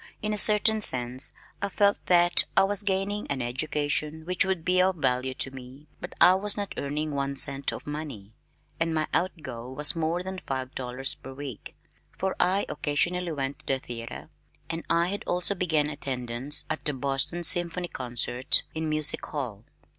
In a certain sense I felt that I was gaining an education which would be of value to me but I was not earning one cent of money, and my out go was more than five dollars per week, for I occasionally went to the theater, and I had also begun attendance at the Boston Symphony concerts in Music Hall.